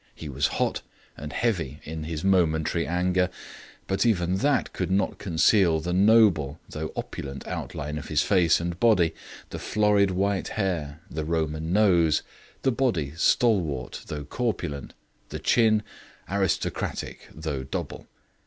He was hot and heavy in his momentary anger, but even that could not conceal the noble though opulent outline of his face and body, the florid white hair, the Roman nose, the body stalwart though corpulent, the chin aristocratic though double.